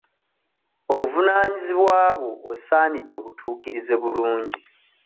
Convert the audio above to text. Obuvunaanyizibwa bwo osaanidde obutuukirize bulungi.